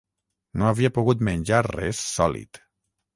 No havia pogut menjar res sòlid.